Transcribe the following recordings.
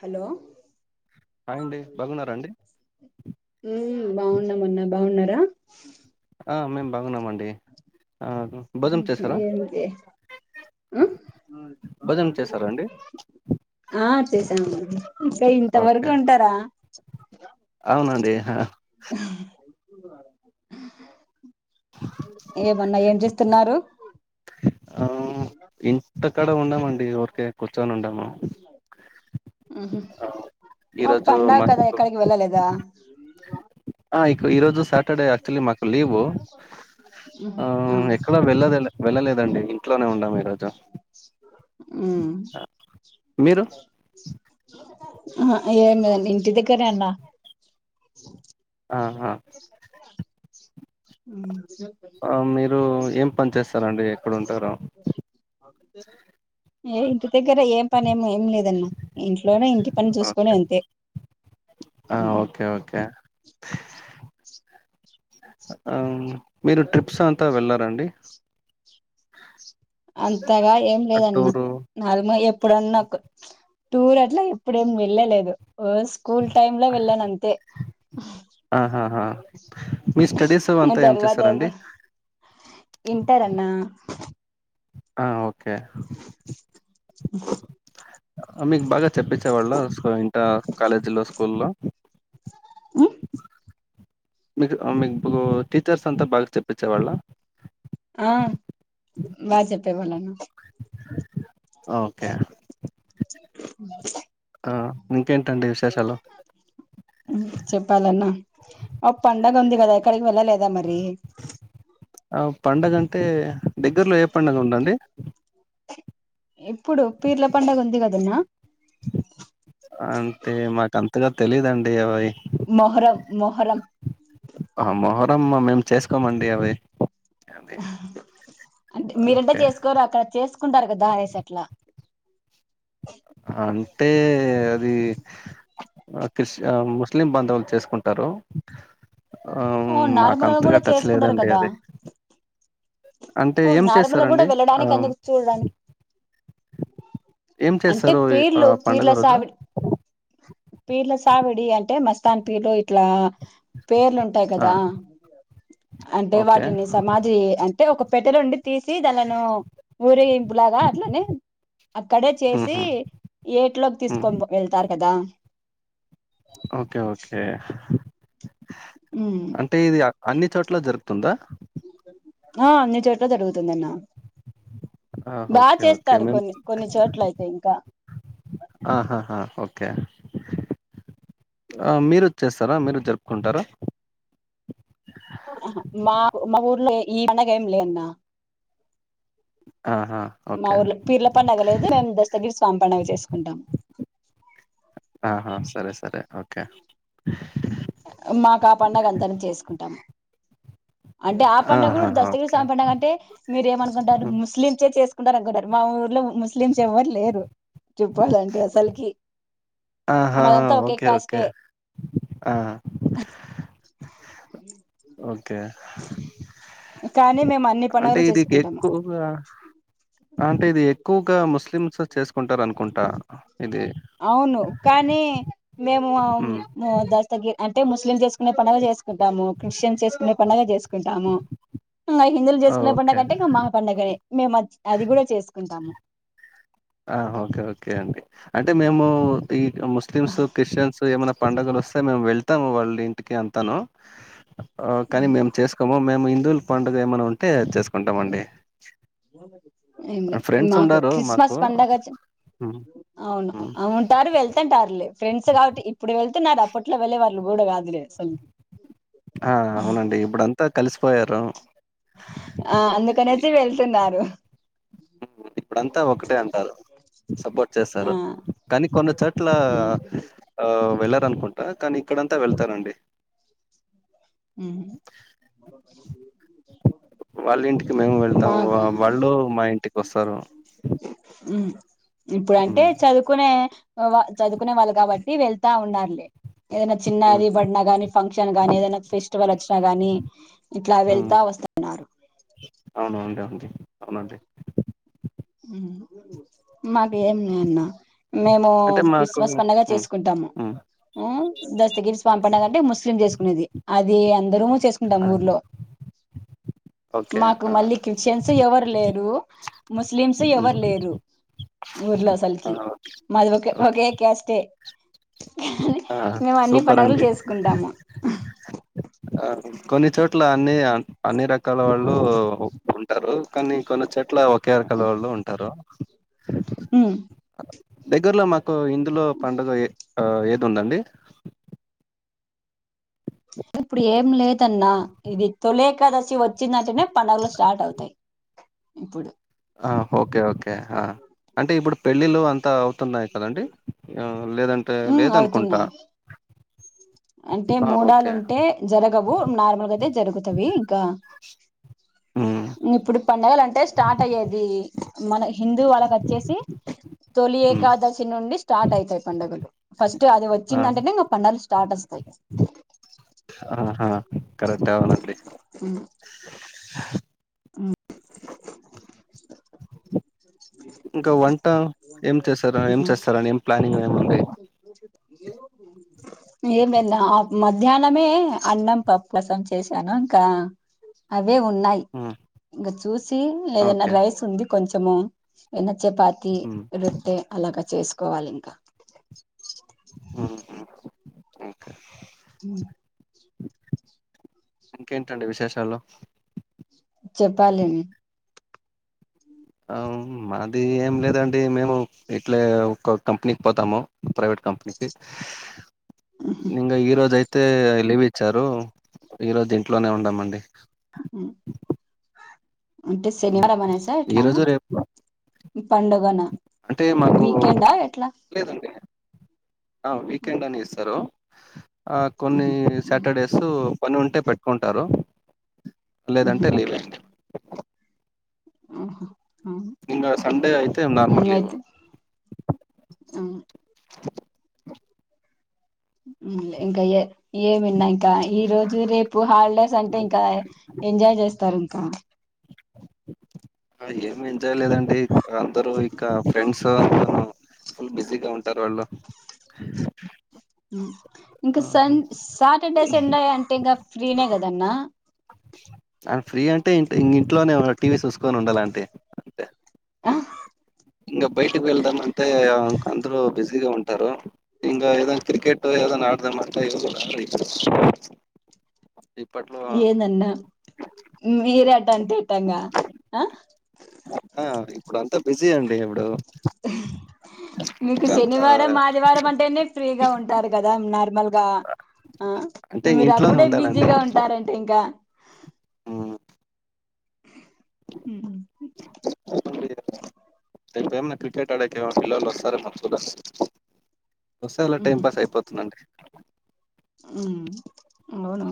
Hello hi అండి బాగున్నారా అండి ఉమ్ బాగున్నమన్న బాగున్నారా ఆ మేం బాగున్నమండి దేనికే హా భోజనం చేశారా అండి? ఆ చేసాను ఇంక ఇంతవరకు ఓకే. ఉంటరా అవునండి. ఏమన్న ఏం చేస్త రు ఆ ఇంటకాడ ఉన్నామండి ఊర్కే కూర్చొని ఉండాము ఉంహుం ఓ ఈరోజు పండగ కద మాకు ఎక్కడికి వెళ్ళలేదా ఆ ఇ ఈరోజు సాటర్డే యాక్చువలీ మాకు లీవు ఆ ఎక్కడ వెళ్ళలే వెళ్ళలేదండి ఇంట్లోనే ఉండాము ఈరోజు. ఉమ్ మీరు? అహ ఏం లేదండి ఇంటి దగ్గరే అన్న ఆహా హమ్ ఆ మీరు ఏం పని చేస్తారండి ఎక్కడుంటారు ఏ ఇంటి దగ్గరే ఏం పని ఏం ఏం లేదన్న ఇంట్లోనే ఇంటి పని చూస్కొనే అంతే ఆ! ఓకే ఓకే ఆ మీరు ట్రిప్స్ అంతా వెళ్లారా అండి అంతగా ఏం లేదన్న టూరు [unintelligible] ఎప్పుడన్న ఒక టూర్ అట్ల ఎప్పుడేం వెళ్ళలేదు ఓ స్కూల్ టైమ్లో వెళ్ళానంతె ఆహాహా మీ స్టడీస్ అంత ఏం చేస్తారండి ఇంటర్ అన్నా ఆ ఓకే మీకు బాగా చెప్పిచ్చే వాళ్ళా ఇంటర్ కాలేజీల్లో స్కూల్లో మీకు అ మీకు టీచర్స్ అంతా బాగా చెప్పిచేవాళ్ళ ఆ బా చెప్పే వాళ్ళన్న ఓకే ఆ మింకేంటండి విశేషాలు ఉం చెప్పాలన్నా ఆ పండగుంది గదా ఎక్కడికి వెళ్ళలేదా మరి అ పండగంటే దగ్గరలో ఏ పండగుండండి ఇప్పుడు పీర్ల పండగుంది గదన్న అంతే మాక్ అంతగా తెలీదండి అవయ్ మొహరం మొహరం అ మొహరం మ మేమ్ చేస్కోమండి అవి అది. అంట్ మీరంటే ఓకే చేస్కోరు అక్కడ చేస్కుంటారు గదా ఆనేసట్లా అంటే అది అ క్రిస్ అ ముస్లిం బంధవల్ చేస్కున్ టరు అ ఓ మాక్ నార్మల్గా కూడా అంతగా టచ్ చేసుకుంటారు లేదండి అది అంటే ఒ ఏం నార్మల్ గూడా చేస్తారండి ఆ వెళ్ళడానిక్ ఎందుకు చూడడన్ ఏం అంటే చేస్తారు ఆ పీర్లు పండుగ రోజు పీర్లసావిడి పీర్లసావిడి అంటే మస్తాన్ పీర్లు ఇట్లా పేర్లుంటాయి ఆ! కదా అంటే ఓకే. వాటిని సమాధి అంటే ఒక పెట్టలోండి తీసి దలను ఊరేగింపులాగా అట్లనే అక్కడే చేసి హుహు. ఏట్లోకి హ్మ్. తీస్కొన్ బొ ఎళ్తారు కదా ఓకే ఓకే ఉమ్. అంటే ఇద్య అన్ని చోట్ల జరుప్తుందా ఆ అన్ని చోట్ల జరుగుతుందన్న ఆ! బా ఓకే. చేస్తారు కొన్ని కొన్ని చోట్లైతే ఇంకా అహాహా ఓకే అ మీరు చ్చేస్తారా మీరు జర్పుకుంటారా అహ మా మా ఊర్లో ఈ పనగా ఏం లే అన్నా ఆహా! మా ఓకే. ఊర్లో పీర్ల పండగ లేదు దాన్ దస్తగిరి స్వామి పండగ చేస్కుంటాం ఆహా సరే సరే ఓకే మాకా పండగంతని చేస్కుంటాం అంటే ఆ పండగ్గూడ్ ఆహాహా! దస్తగిరి ఓకే. సామ్ పండగంటే మీరేమనుకుంటారు హ్మ్. ముస్లిమ్సే చేస్కుంటారకుంటారు మా ఊర్లో ముస్లిమ్స్ ఎవ్వరు లేరు చెప్పాలంటే అసల్కి ఆహా ఓకే ఓకే అ ఓకే కానీ మేము అన్ని అంటే పండుగలు ఇది చేసుకుంటాము గెక్కువ్ గా ఆంట్ ఇది ఎక్కువ్గా ముస్లిమ్స్ చేస్కుంటారనుకుంటా ఇది అవ్ను కానీ మేము అం హ్మ్. అ దస్తగి అంటే ముస్లిం చేస్కునే పండగ జేస్ కుంటాము క్రిస్టియన్స్ చేస్కునే పండగ జేస్కుంటాము ఇంగ హిందువులు చేస్కునే ఓకే. పండగంటే మ పండగనే మేమజ్ అది గూడా చేస్కుంటాము ఆహ్ ఓకే ఓకే అండి అంటే మేము ఈ ముస్లిమ్సు క్రిస్టియన్సు ఏమనా పండగలొస్తే మేము వెళ్తాము వాళ్ళంటికి అంతను అ కానీ మేమ్ చేస్ హొమో మేము హిందువులు పండుగేమన్ ఉంటే అద్ చేస్కుంటామండి ఏం లే ఫ్రెండ్స్ మాకు ఉండారు క్రిస్మస్ మాకు పండగచి హ్మ్. అవ్ను హ్మ్. అవ్నూ టారు వెళ్తుంటారులే ఫ్రెండ్స్ కావట్టి ఇప్పుడు వెళ్తున్నారు అప్పట్లో వెళ్లేే వాళ్ళు గూడా కాదులే సొంతు ఆ అవ్నండి ఇప్పుడంతా కల్సిపోయారు ఆ అందుకనేసి వెళ్తున్నారు ఉహ్ ఇప్పుడంతా ఒకటే అంటారు సపోట్ ఆ చేస్తారు కానీ కొన్ని చోట్లా ఉమ్, ఆ వెళ్ళారనుకుంటా కానీ ఇక్కడంతా వెళ్తారండి. ఉహ్ వాళ్ళింటికి మేము వెళ్తాం వాళ్ళు మా ఇంటికోస్తారు ఉ ఇప్పుడంటే ఉమ్ చదువు కునా వ చదుకునే వాళ్ళు కాబట్టి వెళ్తా ఉన్నార్లే ఏదన్న చిన్నాది బడిన గాని ఫంక్షన్ గాని ఏదైన స్టివల్లు ఒచ్చినా గాని ఇట్లా వెళ్తా వస్తన్నారు అవున అండి అంటె అవునండి మాకు ఏం లే అన్న మేమూ అంటే మాకు క్రిస్మస్ పండగ హ్మ్ చేస్కుంటాము హ్మ్. మ్మ్ దస్తగిరి స్వామ్ పండగ అంటే ముస్లిం చేసుకునేది అది అందరము చేస్ ఆ! దాని ఊర్లో ఓకే. మాకు ఆ! మళ్ళి క్రిస్టిన్స్ ఎవర్ లేరు స్లిమ్స్ హ్మ్. ఎవర్ లేరు ఊర్లో ఆ! అసల్కి ఓకే. మాది ఒక ఓకే. ఒకే క్యాస్టే ఆ! మేమ్ అన్ని సూపర్ పండగలు చేస్కుంటాము అ కొన్ని చోట్ల అన్ని అన్ అన్ని రకాల వాళ్ళు ఉ టరు కానీ కొన్ని చోట్ల ఒకే రకాల వాళ్ళు ఉంటారు ఉ దగ్గర్లో మాకూ ఇందులో పండగ ఎ అ ఏది ఉందండి ఇప్పుడ్ ఏం లేదన్నా ఇది తొలేకాదశి వచ్చిందంటనే పండగలు స్టార్ట్ అవుతయ్ ఇప్పుడు అ హొకే ఓకే అ అంటె ఇప్పుడు పెళ్ళిళ్ళు అంతా అవుతున్నాయ్ కదండి అ లేదంటె ఉమ్ లేదన్కుంటా అంటె మూడాల్ ఓకే. ఉంటే జరగవు నార్మల్గ ఐతే జరుగుతవి ఇంకా హ్మ్. ఇప్పుడు పండగల్ అంటె స్టార్ట్ అయ్యేది మన హిందూ వాళ్ళ వచ్చేసి తొలి హ్మ్. ఏకాదశి నుండి స్టార్ట్ ఐతయ్ పండగలు ఫస్ట్ అది ఆ! వచ్చిందంటనే ఇంగ పండలు స్టార్ట్ ఒస్తయ్. ఆహా కరెక్టె ఔనండి ఉ ఉ ఇంక వంట ఏం చేస్తరు ఏం చేస్తారని ఏం ప్లానింగ్ ఏయ్ ఉంది ఏం లేద్ నా అ మధ్యాహ్నమే అన్నం పప్పసం చేశాను ఇంకా అవే ఉన్నాయ్ ఉ ఇంక చూసి ఏదన్న రైస్ ఉంది కొంచము ఎన్న చపాతి ఉమ్, రొట్టె అలాగ చేస్కోవాలి ఇంక ఆహ ఇంక ఇంకేంటండి విశేషాలు చెప్పాలే మి ఔన్ మాది ఏం లేదండి మేము ఇట్లే ఒక కంప్నీక్ పోతాము ప్రైవేట్ కంపెనీకి ఇంగ ఈరోజ్ అయితే లీవ్ ఇచ్చారు ఈరోజ్ ఇంట్లోనే ఉండామండీ హ్ ఉ అంటె ఉమ్, సెనివారం అనేసా ఈ ఎట్లా రోజు రేపు పండగ న అంటే మాకు వీకెండా ఎట్ల లేదండి అ వీకెండ్ అనె ఇస్తరు ఆ కొన్నీ సాటర్డే సో పనుంటె పెట్కుంటరు లేదంటె లీవే మ్ హ్ మ్ ఇంగ సండే ఐతె నార్మల్ లీవు ఉ ఇంక ఎ ఏమున్న ఇంత ఈరోజు రేప్ పు హాలిడేస్ అంటే ఇంకా ఎంజాయ్ చేస్తారు ఇంకా ఏం ఎంజాయ్ లేదండి అందరు ఇకా ఫ్రెండ్సూ ఫుల్ బిజీగా ఉంటారు వాళ్ళు ఇంక సండ్ సాటర్డే సండే అంటే ఇంకా ఫ్రీనే కదన్న అ ఫ్రీ అంటే ఇ ఇ ఇంట్లోనే టీవీ సూస్కొని ఉండాలంటె ఆ ఇంగ బయటక్ వెళ్దాం అంటే అందరు బిజీగా ఉంటారు ఇంగ ఏదన్న క్రికెట్ ఏదనా ఆడదమంటే ఇ ఇప్పట్ ఎందన్నా మీరే అట అంటే ఎట్ టన్నా ఆ ఆ ఇప్పుడు అంతా బిజీ అండి ఇప్పుడు మీకు అంతా శనివారం ఆదివారం అంటేనే ఫ్రీగా ఉంటారు గదా నార్మల్గా ఆ అంటే ఇంక మీరు ఇంట్లోనే అప్పుడే ఉండాలండి బిజీగా ఉంటారంట ఇంకా ఉమ్, మ్ రేపేమన్న క్రికెట్ ఆడే పిలుస్తర మ చూడాల్ వసేలా టైం పాస్ అయిపోతుందండి మ్ అవునా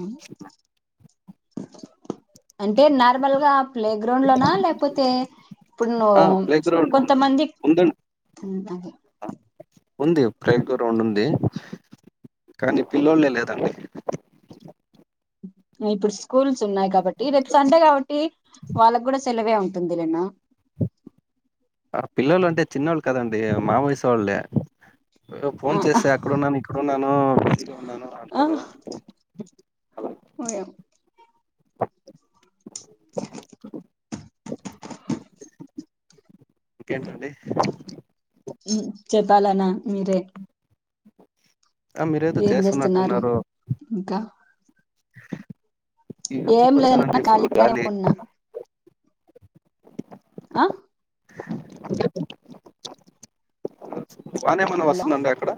అంటే నార్మల్ గా ప్లే గ్రౌండ్ లోనా లేక్పోతే ఇప్పుడ్ నూ ఆ ప్లే గ్రౌండ్ కొంతమంది ఉంద మ్ అదే ఉంది ప్లే గ్రౌండ్ ఉంది కానీ పిల్లోలే లేదండి ఇప్పుడు స్కూల్స్ ఉన్నాయ్ కాబట్టి రేప్ సండే కాబట్టి వాళ్ళగుడా సెలవే ఉంటుందిలే అన్న ఆ పిల్లోళ్లు అంటే చిన్నోళ్ళు కాదండి మావయసోళ్ళే ఫోన్ ఆ చేసే ఇక్కడునాను ఇక్కడున్నాను బిజీగా ఉన్నాను అంటారు ఆహ్ ఓయమ్ ఇంకేంటండి చెప్పాలన్న మీరే అ మీరేదో ఏం చేస్తున్నారు చేస్తున్నట్టున్నారు ఇంకా ఏం [inaudible] లేదన్నా వచ్చాలంటే ఫుల్ ఖాళీగానే గాలి ఉన్నా అ వానేమన్నా హలో వస్సుందీ అండి అక్కడ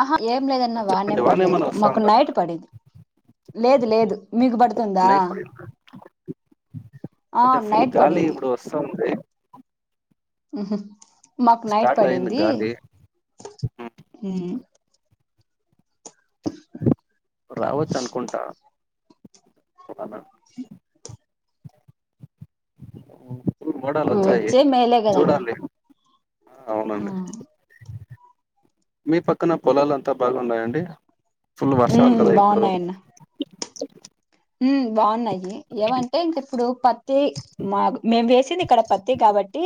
ఆహా ఏం లేదన్న వానే చెప్పండి ఏం పడలేదు వానేమన్నా వస్తా మాకు ఉందా నైట్ పడింద్ లేద్ లేదు మీకు పడుతుందా నైట్ పడి ఆ నైట్ పడింది సౌండె ఉహు మాక్ నైట్ స్టార్ట్ అయింది పడింది గాలి ఉమ్, రావచ్చు అనుకుంటా మోడాల్ వచ్చాయి వచ్చే మేలే కదన్న చూడాలి అవునండి ఆ మీ పక్కన పొలాలు అంతా బాగున్నాయ అండి ఫుల్ వర్షాలు ఉమ్ కదా ఇప్పుడు ఉమ్ బాగున్నాయి ఏమంటే ఇంక ఇప్పుడు పత్తి మా మేము వేసింది ఇక్కడ పత్తి కాబట్టి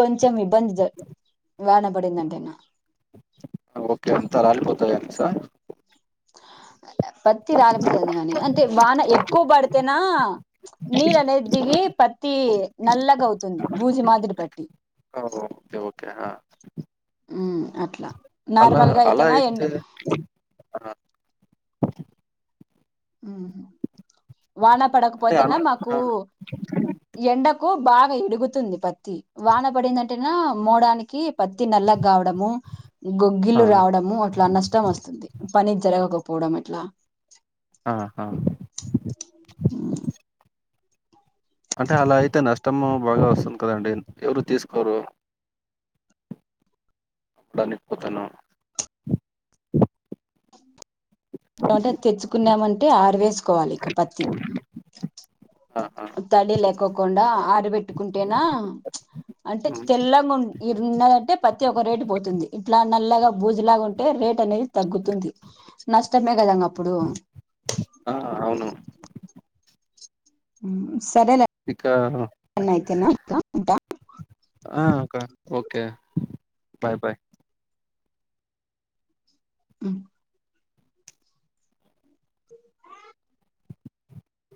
కొంచెం ఇబ్బంది వాన పడిందంటేన ఓకే అంత రాలిపోతది అన్సా పత్తి రాలిపోతది అందుకని అంటే వాన ఎక్కువ పడితేనా నీరు అనేది దిగి పత్తి నల్లగా అవుతుంది భూజి మాదిరి పట్టి ఆహ ఓకె ఓకే ఆ ఉ అట్లా నార్మల్గా అయితేన ఎండ అ వానా అంటే పడకపోతేన అలా మాకు ఆ! ఎండకు బాగ ఇడుగుతుంది పత్తి వాన పడిందంటేనా మోడానికి పత్తి నల్ల కావడము ఆ! గొగ్గిలు రావడము అట్ల నష్టం వస్తుంది పని జరగకపోవడం అట్లా ఆహ ఉ అంటే అలా అయితే నష్టము బాగ వస్తుంది కదా అండి ఎవరు తీసుకోరు అప్పుడు అన్ని [unintelligible] ంట తెచ్చుకున్నామంటే ఆరవేసుకోవాలి ఇగ పత్తి ఆ! ఆ! తడీ లేకోకుండా ఆడబెట్టుకుంటేనా అంటే హ్మ్. తెల్లంగా ఉ ఇరున్నదంటే పత్తి ఒక రేటు పోతుంది ఇట్ల నల్లగా బూజులాగ ఉంటే రేట్ అనేది తగ్గుతుంది నష్టమే కదా ఇంగ అప్పుడు ఆ అవును ఉ సరేలే ఇకా చన్న అయితేన ఇక ఉంట ఆ అక్క ఓకే బాయ్ బాయ్ ఉ